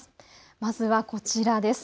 まずはこちらです。